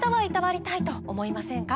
皆さん。と思いませんか？